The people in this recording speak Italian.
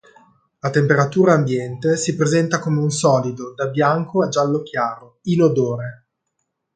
A temperatura ambiente si presenta come un solido da bianco a giallo chiaro, inodore.